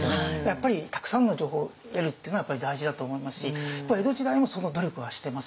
やっぱりたくさんの情報得るっていうのはやっぱり大事だと思いますし江戸時代もその努力はしてますね。